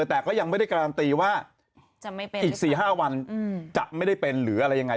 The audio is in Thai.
แต่ก็ยังไม่ได้การันตีว่าอีก๔๕วันจะไม่ได้เป็นหรืออะไรยังไง